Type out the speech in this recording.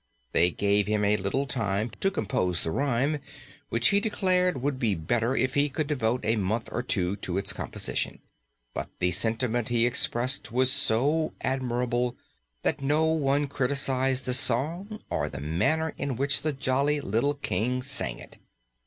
They gave him a little time to compose the rhyme, which he declared would be better if he could devote a month or two to its composition, but the sentiment he expressed was so admirable that no one criticized the song or the manner in which the jolly little King sang it.